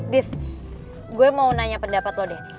dis gue mau nanya pendapat loh deh